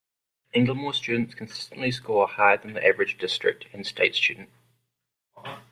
Inglemoor students consistently score higher than the average district and state studen.